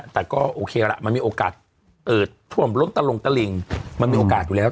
แต่ก็โอเคละมันมีโอกาสท่วมล้นตะลงตะลิงมันมีโอกาสอยู่แล้ว